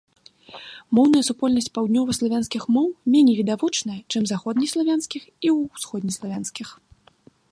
Моўная супольнасць паўднёваславянскіх моў меней відавочная, чым заходнеславянскіх і ўсходнеславянскіх.